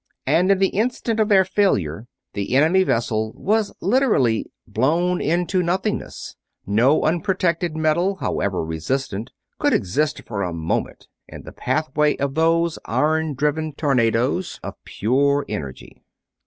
And in the instant of their failure the enemy vessel was literally blown into nothingness no unprotected metal, however resistant, could exist for a moment in the pathway of those iron driven tornadoes of pure energy.